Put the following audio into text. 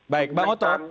baik pak otos